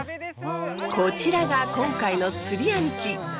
こちらが今回の釣り兄貴